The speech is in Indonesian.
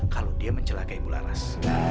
kalau dia mencelakai bularas